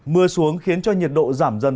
mưa xuống khiến cho nhiệt độ giảm dân